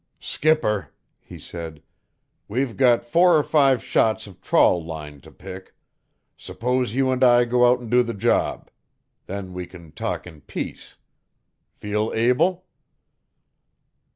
"Skipper," he said, "we've got four or five shots of trawl line to pick. Suppose you and I go out an' do the job? Then we can talk in peace. Feel able?"